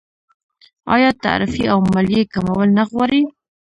آیا تعرفې او مالیې کمول نه غواړي؟